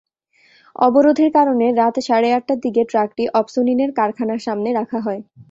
অবরোধের কারণে রাত সাড়ে আটটার দিকে ট্রাকটি অপসোনিনের কারখানার সামনে রাখা হয়।